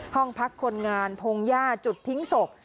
ห้องพักคนงานพงหญ้าจุดทิ้งศพ